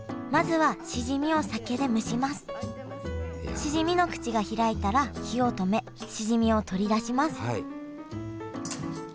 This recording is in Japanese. まずはしじみの口が開いたら火を止めしじみを取り出します